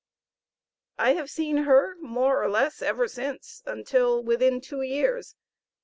I have seen her more or less ever since, until within two years.